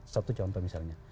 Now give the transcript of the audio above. satu contoh misalnya